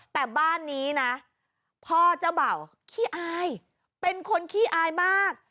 แต่บ้านนี้นะพ่อเจ้าเบ่าขี้อายเป็นคนขี้อายมาก